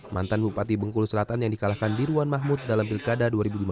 mantan bupati bengkulu selatan yang dikalahkan dirwan mahmud dalam pilkada dua ribu lima belas